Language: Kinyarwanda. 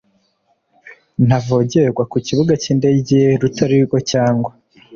Ntavogerwa ku kibuga cy indege rutari rwo cyangwa